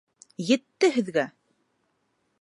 Етте һеҙгә!